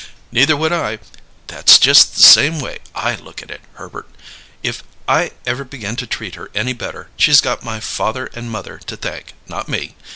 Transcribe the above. "Neither would I. That's just the same way I look at it, Herbert. If I ever begin to treat her any better, she's got my father and mother to thank, not me.